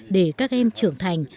để các em trưởng thành